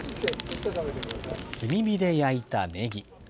炭火で焼いたねぎ。